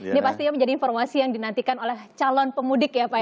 ini pastinya menjadi informasi yang dinantikan oleh calon pemudik ya pak ya